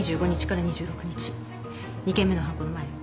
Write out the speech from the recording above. ２件目の犯行の前よ。